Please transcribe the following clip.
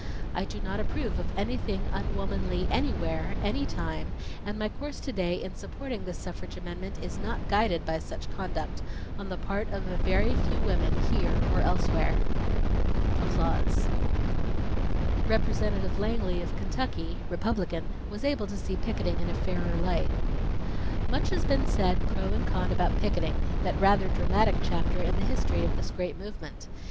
I do not approve of anything unwomanly anywhere, any time, and my course to day in supporting this suffrage amendment is not guided by such conduct on the part of a very few women here or elsewhere." Representative Langley of Kentucky, Republican, was able to see picketing in a fairer light: "Much has been said pro and con about 'picketing', that rather dramatic chapter in the history of this great movement.